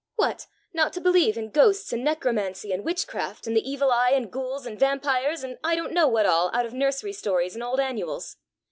"What! not to believe in ghosts and necromancy and witchcraft and the evil eye and ghouls and vampyres, and I don't know what all out of nursery stories and old annuals?"